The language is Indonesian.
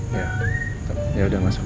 ya ya udah masuk